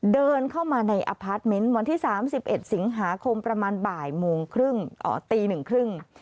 เดินเข้ามาในอพาร์ทเมนต์วันที่๓๑สิงหาคมประมาณบ่ายโมงครึ่งตีหนึ่งครึ่ง